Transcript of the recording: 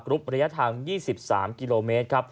กรุ๊ประยะทาง๒๓กิโลเมตร